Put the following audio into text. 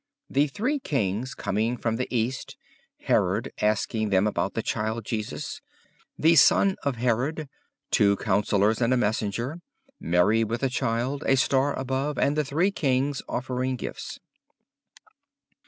The three kings coming from the East, Herod asking them about the child Jesus; the son of Herod, two counsellors, and a messenger. Mary with the Child, a star above, and the three kings offering gifts.